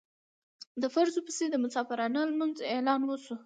په فرضو پسې د مسافرانه لمانځه اعلان وشو.